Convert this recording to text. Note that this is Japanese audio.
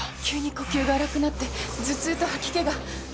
急に呼吸が荒くなって頭痛と吐き気が。